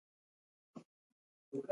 خپل کار په وخت وکړئ